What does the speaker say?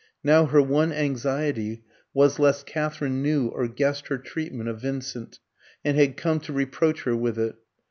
Now her one anxiety was lest Katherine knew or guessed her treatment of Vincent, and had come to reproach her with it.